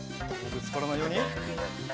ぶつからないように。